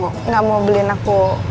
kamu gak mau beli aku